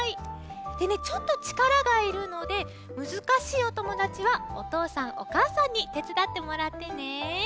でねちょっとちからがいるのでむずかしいおともだちはおとうさんおかあさんにてつだってもらってね。